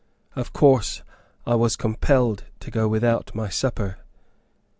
Of course, I was compelled to go without my supper.